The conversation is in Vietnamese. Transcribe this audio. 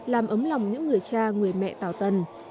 làm ấm lòng những người cha người mẹ tảo tần